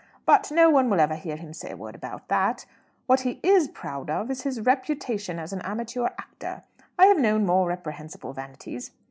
But no one will ever hear him say a word about that. What he is proud of is his reputation as an amateur actor. I have known more reprehensible vanities.